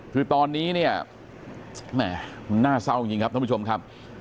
คือตอนนี้เนี่ยแหม่มันน่าเศร้าจริงครับท่านผู้ชมครับ